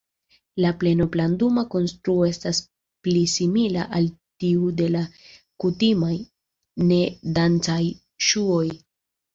La pleno-planduma konstruo estas pli simila al tiu de la kutimaj, ne-dancaj ŝuoj.